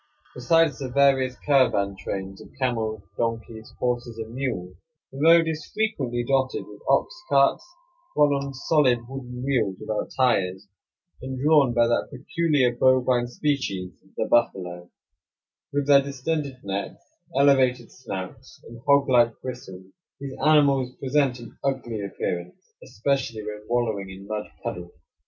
Besides the various caravan trains of camels, donkeys, horses, and mules, the road is frequently dotted with ox carts, run on solid wooden wheels without tires, and drawn by that peculiar bovine species, the buffalo. With their distended necks, elevated snouts, and hog 28 Across Asia on a Bicycle ARABS CONVERSING WITH A TURK. [301 like bristles, these animals present an ugly appearance, especially when wallowing in mud puddles.